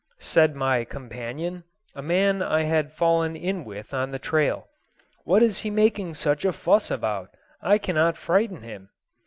said my companion, a man I had fallen in with on the trail. "What is he making such a fuss about? I cannot frighten him."